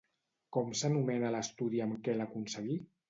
Com s'anomena l'estudi amb què l'aconseguí?